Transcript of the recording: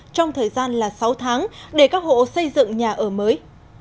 trong thời gian là sáu tháng để các hộ xây dựng nhà ở mới